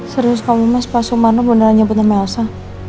serius kamu mas pak sumarna beneran nyebut nama elsa